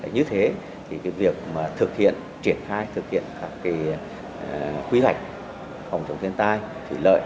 như thế thì việc thực hiện triển khai thực hiện các quy hoạch phòng chống thiên tai thủy lợi